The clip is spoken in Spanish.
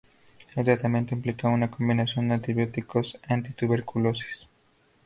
El tratamiento implica una combinación de antibióticos anti-tuberculosis.